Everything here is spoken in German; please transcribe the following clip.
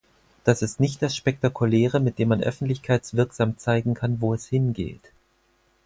Das ist nicht das Spektakuläre, mit dem man öffentlichkeitswirksam zeigen kann, wo es hingeht.